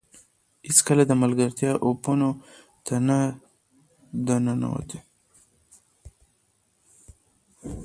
هېڅکله د ملګرتیا اپونو ته نه ده ننوتې